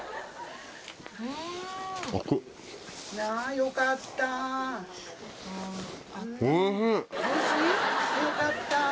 あよかった。